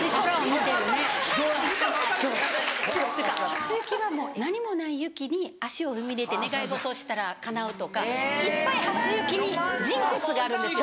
初雪はもう何もない雪に足を踏み入れて願い事をしたらかなうとかいっぱい初雪にジンクスがあるんですよ。